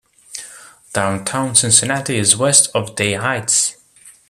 Downtown Cincinnati is west of Day Heights.